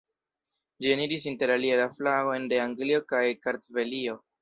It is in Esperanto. Ĝi eniris interalie la flagojn de Anglio kaj Kartvelio.